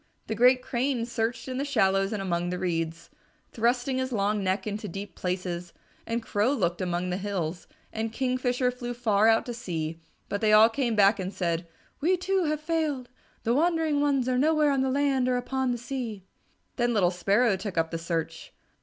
The great Crane searched in the shallows and among the reeds, thrusting his long neck into deep places, and Crow looked among the hills, and Kingfisher flew far out to sea, but they all came back and said, "We, too, have failed. The wandering ones are nowhere on the land or upon the sea." Then little Sparrow took up the search.